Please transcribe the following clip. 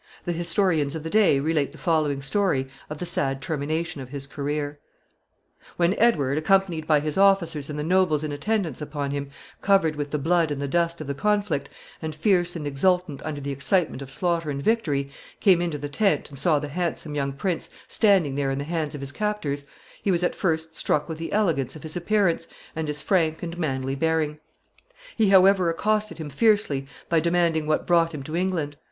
The historians of the day relate the following story of the sad termination of his career. [Illustration: The Murder of Prince Henry.] When Edward, accompanied by his officers and the nobles in attendance upon him, covered with the blood and the dust of the conflict, and fierce and exultant under the excitement of slaughter and victory, came into the tent, and saw the handsome young prince standing there in the hands of his captors, he was at first struck with the elegance of his appearance and his frank and manly bearing. He, however, accosted him fiercely by demanding what brought him to England.